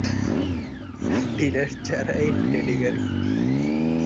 Dinner ছাড়াই dating আরকি।